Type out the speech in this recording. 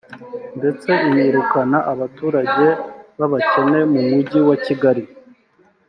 ndetse inirukana abaturage b’abakene mu mujyi wa Kigali